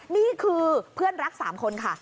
นี่คือเพื่อนรัก๓คนค่ะ